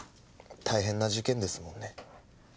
大変な事件ですもんね。